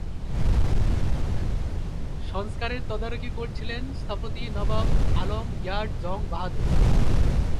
সংস্কারের তদারকি করেছিলেন স্থপতি নবাব আলম ইয়ার জং বাহাদুর।